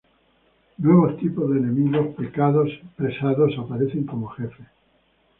Nuevos tipos de enemigos pesados aparecen como jefes.